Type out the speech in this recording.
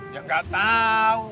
ya enggak tahu